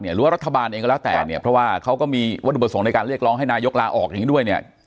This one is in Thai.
หรือว่ารัฐบาลเองก็แล้วแต่เนี่ยเพราะว่าเขาก็มีวัตถุประสงค์ในการเรียกร้องให้นายกลาออกอย่างนี้ด้วยเนี่ย